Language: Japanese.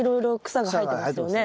草が生えてますね。